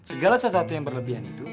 segala sesuatu yang berlebihan itu